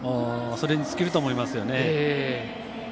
それに尽きると思いますよね。